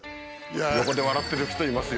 横で笑ってる人いますよ。